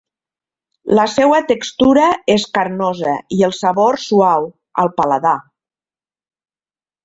La seva textura és carnosa i el sabor suau al paladar.